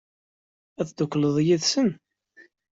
Ad teddukleḍ yid-sen?